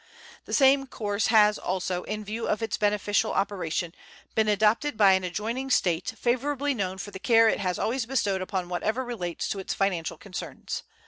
The same course has also, in view of its beneficial operation, been adopted by an adjoining State, favorably known for the care it has always bestowed upon whatever relates to its financial concerns.